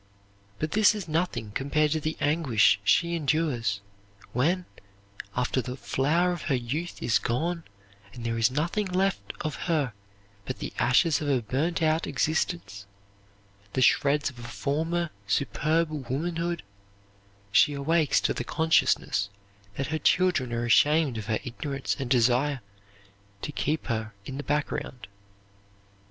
But this is nothing compared to the anguish she endures, when, after the flower of her youth is gone and there is nothing left of her but the ashes of a burned out existence, the shreds of a former superb womanhood, she awakes to the consciousness that her children are ashamed of her ignorance and desire to keep her in the background.